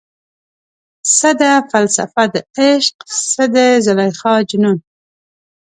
څه ده فلسفه دعشق، څه د زلیخا جنون؟